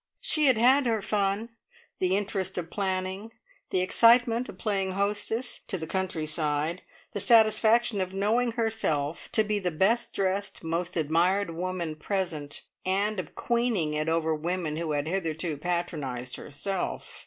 She had had her fun, the interest of planning, the excitement of playing hostess to the country side, the satisfaction of knowing herself to be the best dressed, most admired woman present, and of queening it over women who had hitherto patronised herself.